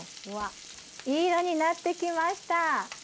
わっいい色になってきました。